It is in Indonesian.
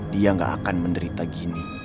dia gak akan menderita gini